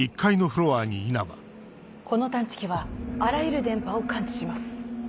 この探知機はあらゆる電波を感知します。